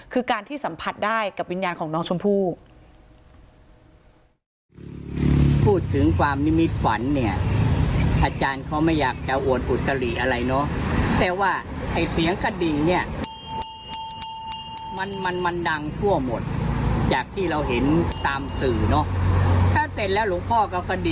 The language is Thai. คือการที่สัมผัสได้กับวิญญาณของน้องชมพู่